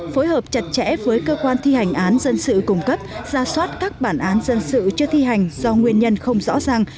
phối hợp chặt chẽ với cơ quan thi hành án dân sự cung cấp ra soát các bản án dân sự chưa thi hành do nguyên nhân không rõ ràng